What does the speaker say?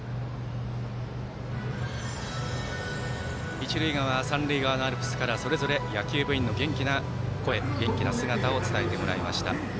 一塁側、三塁側のアルプスからそれぞれ野球部員の元気な姿を伝えてもらいました。